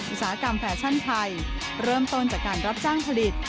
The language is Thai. อุตสาหกรรมแฟชั่นไทยเริ่มต้นจากการรับจ้างผลิต